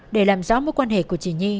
để làm rõ mối quan hệ của chị nhi